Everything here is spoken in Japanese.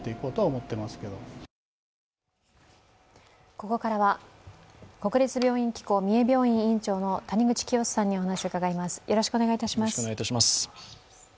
ここからは国立病院機構三重病院院長の谷口清州さんにお話を伺います。